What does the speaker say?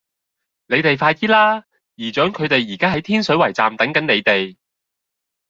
你哋快啲啦!姨丈佢哋而家喺天水圍站等緊你哋